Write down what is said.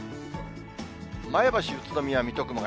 前橋、宇都宮、水戸、熊谷。